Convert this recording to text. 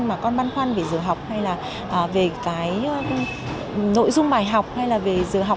mà con băn khoăn về giờ học hay là về cái nội dung bài học hay là về giờ học